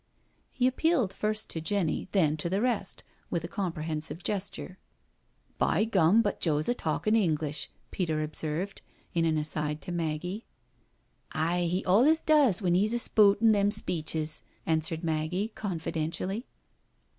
He appealed first to Jenny, then to the rest, with a comprehensive gesture. " By gum, but Joe's a talkin* English," Peter ob served in an aside to Maggie. " Aye, 'e olez does when 'e gets a speautin' them speeches," answered Maggie confidentially.